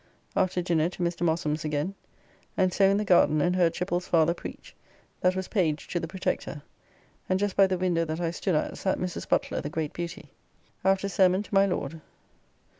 After dinner to Mr. Mossum's again, and so in the garden, and heard Chippell's father preach, that was Page to the Protector, and just by the window that I stood at sat Mrs. Butler, the great beauty. After sermon to my Lord.